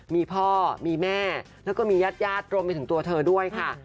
มีพ่อมีแม่แล้วก็มีญาติญาติรวมไปถึงตัวเธอด้วยค่ะ